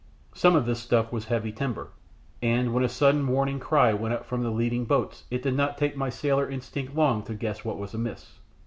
Some of this stuff was heavy timber, and when a sudden warning cry went up from the leading boats it did not take my sailor instinct long to guess what was amiss.